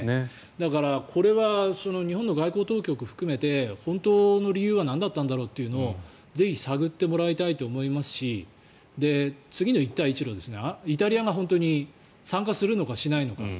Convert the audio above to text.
だから、これは日本の外交当局含めて本当の理由はなんだったんだろうというのをぜひ探ってもらいたいと思いますし次の一帯一路、イタリアが本当に参加するのかしないのか。